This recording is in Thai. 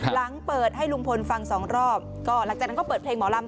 หลังเปิดให้ลุงพลฟังสองรอบก็หลังจากนั้นก็เปิดเพลงหมอลำ